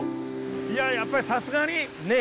いややっぱりさすがに。ねえ。